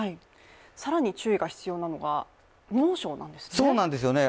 更に注意が必要なのが猛暑なんですね。